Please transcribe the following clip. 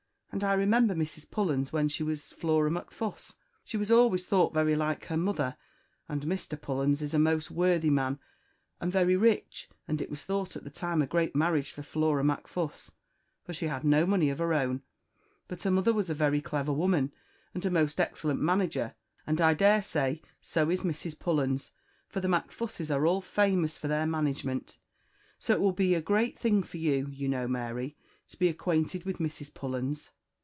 And I remember Mrs. Pullens when she was Flora Macfuss; she was always thought very like her mother and Mr. Pullens is a most worthy man, and very rich and it was thought at the time a great marriage for Flora Macfuss, for she had no money of her own, but her mother was a very clever woman, and a most excellent manager; and I daresay so is Mrs. Pullens, for the Macfusses are all famous for their management so it will be a great thing for you, you know, Mary, to be acquainted with Mrs. Pullens."